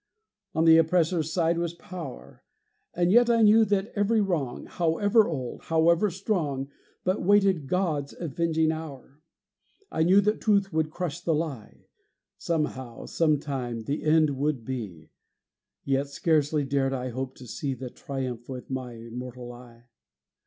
On the oppressor's side was power; And yet I knew that every wrong, However old, however strong, But waited God's avenging hour. I knew that truth would crush the lie, Somehow, sometime, the end would be; Yet scarcely dared I hope to see The triumph with my mortal eye.